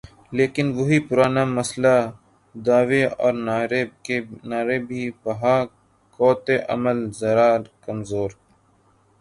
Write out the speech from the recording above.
لیکن وہی پرانا مسئلہ، دعوے اور نعرے بے بہا، قوت عمل ذرا کمزور۔